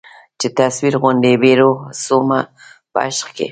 چي تصویر غوندي بې روح سومه په عشق کي